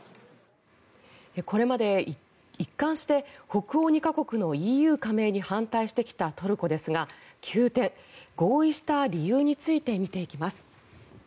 これまで一貫して北欧２か国のＥＵ加盟に反対してきたトルコですが急転、合意した理由について見ていきます。